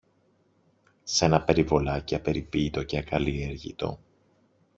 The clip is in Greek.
Σ' ένα περιβολάκι απεριποίητο και ακαλλιέργητο